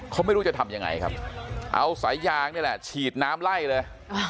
เขาไม่รู้จะทำยังไงครับเอาสายยางนี่แหละฉีดน้ำไล่เลย